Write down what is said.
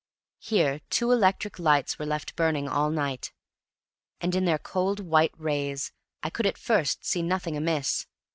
Here two electric lights were left burning all night long, and in their cold white rays I could at first see nothing amiss.